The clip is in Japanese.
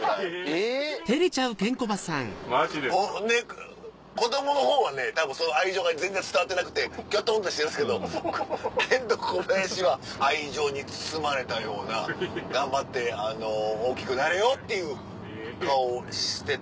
えぇ！で子供の方はねたぶんその愛情が全然伝わってなくてキョトンとしてるんですけどケンドーコバヤシは愛情に包まれたような「頑張って大きくなれよ」っていう顔をしてた。